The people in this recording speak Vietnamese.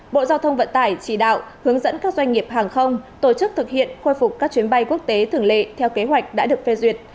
bộ giao thông vận tải chỉ đạo hướng dẫn các doanh nghiệp hàng không tổ chức thực hiện khôi phục các chuyến bay quốc tế thường lệ theo kế hoạch đã được phê duyệt